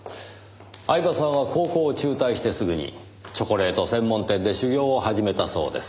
饗庭さんは高校を中退してすぐにチョコレート専門店で修業を始めたそうです。